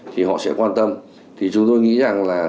thì họ sẽ quan tâm thì chúng tôi nghĩ rằng là